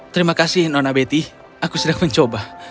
terima kasih nona betty aku sedang mencoba